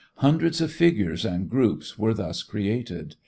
Hundreds of figures and groups were thus created.